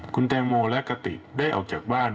คุณแตงโมและกติกได้ออกจากบ้าน